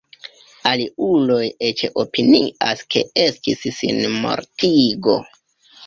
Aliuloj eĉ opinias ke estis sinmortigo.